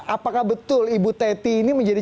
apakah betul ibu teti ini menjadi